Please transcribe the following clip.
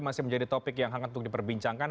masih menjadi topik yang hangat untuk diperbincangkan